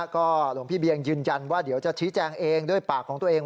ก็หลวงพี่เบียงยืนยันว่าเดี๋ยวจะชี้แจงเองด้วยปากของตัวเอง